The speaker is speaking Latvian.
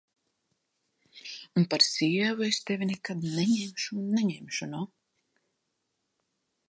Un par sievu es tevi nekad neņemšu un neņemšu, nu!